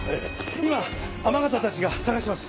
今天笠たちが捜してます。